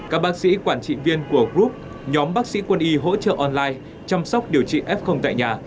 các bác sĩ quản trị viên của group nhóm bác sĩ quân y hỗ trợ online chăm sóc điều trị f tại nhà